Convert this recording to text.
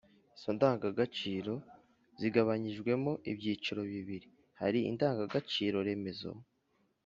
izo ndangagaciro zigabanyijemo ibyiciro bibiri: hari indangagaciro remezo